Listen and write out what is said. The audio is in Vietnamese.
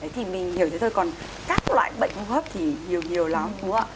thì mình hiểu thế thôi còn các loại bệnh hô hấp thì nhiều nhiều lắm đúng không ạ